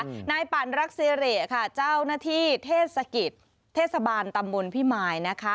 นายปั่นรักสิริค่ะเจ้าหน้าที่เทศกิจเทศบาลตำบลพิมายนะคะ